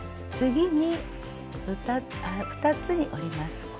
次に２つに折ります。